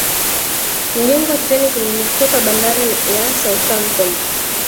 mjengo wa titanic ulitoka bandari ya southampton